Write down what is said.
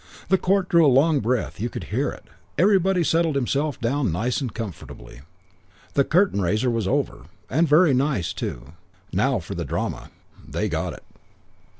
"The court drew a long breath; you could hear it. Everybody settled himself down nice and comfortably. The curtain raiser was over, and very nice too; now for the drama. "They got it."